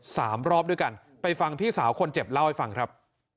สามรอบด้วยกันไปฟังพี่สาวคนเจ็บเล่าให้ฟังครับ